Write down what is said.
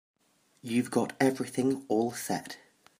You've got everything all set?